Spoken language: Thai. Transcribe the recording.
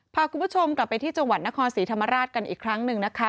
พาคุณผู้ชมกลับไปที่จังหวัดนครศรีธรรมราชกันอีกครั้งหนึ่งนะคะ